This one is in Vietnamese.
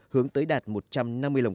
hướng tới đạt một triệu đồng